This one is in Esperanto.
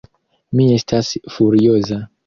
Mi estas furioza!